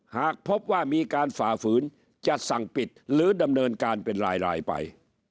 หากพบว่ามีการฝ่าฝืนจะสั่งปิดหรือดำเนินการเป็นรายไป